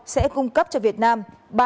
sẽ cung cấp cho việt nam